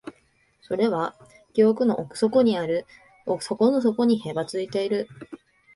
それは記憶の奥底にある、底の底にへばりついている